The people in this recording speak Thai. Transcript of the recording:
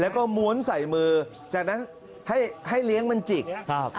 แล้วก็ม้วนใส่มือจากนั้นให้ให้เลี้ยงมันจิกครับ